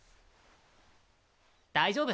大丈夫。